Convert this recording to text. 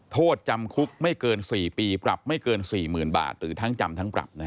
โทษจำคุกไม่เกิน๔ปีปรับไม่เกิน๔๐๐๐บาทหรือทั้งจำทั้งปรับ